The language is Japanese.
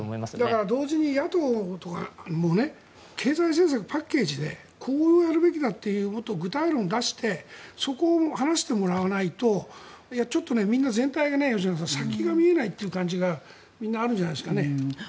だから、同時に野党とかも経済政策をパッケージでこうやるべきだというもっと具体論を出してそこを話してもらわないとちょっとみんな全体が先が見えないという感じがみんなあるんじゃないですかね。